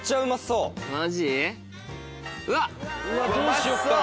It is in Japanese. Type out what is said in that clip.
うわどうしよっかな。